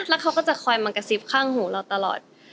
แล้วเขาก็จะคอยมากระซิบข้างหูเราตลอด